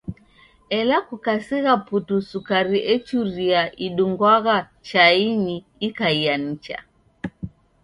Ela kukasigha putu sukari echuria idungwagha chainyi ikaiaa nicha.